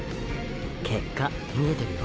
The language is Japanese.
結果見えてるよ？